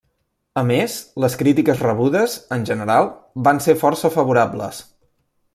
A més, les crítiques rebudes, en general, van ser força favorables.